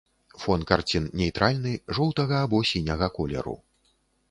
Фон карцін нейтральны, жоўтага або сіняга колеру.